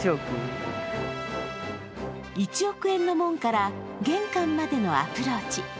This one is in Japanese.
１億円の門から玄関までのアプローチ。